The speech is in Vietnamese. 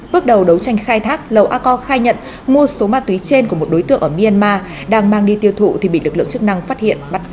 bước đầu đấu tranh khai thác lầu a co khai nhận mua số ma túy trên của một đối tượng ở myanmar đang mang đi tiêu thụ thì bị lực lượng chức năng phát hiện bắt giữ